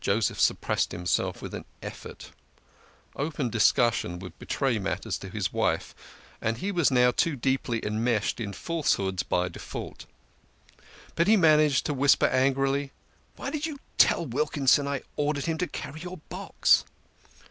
Joseph suppressed himself with an effort. Open discus sion would betray matters to his wife, and he was now too deeply enmeshed in falsehoods by default. But he managed to whisper angrily, " Why did you tell Wilkinson I ordered him to carry your box?"